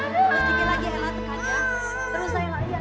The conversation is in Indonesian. terus dikit lagi elah